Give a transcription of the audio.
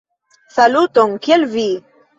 Saluton, kiel vi?